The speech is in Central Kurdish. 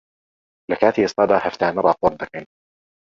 لەکاتی ئێستادا، هەفتانە ڕاپۆرت دەکەین.